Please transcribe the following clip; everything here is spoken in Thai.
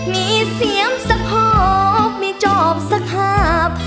มีเสียงสะครอบมีจอบสะคราบ